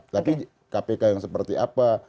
tapi kpk yang seperti apa